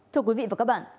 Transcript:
thưa quý vị và các bạn